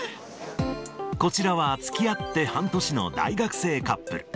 こちらは、つきあって半年の大学生カップル。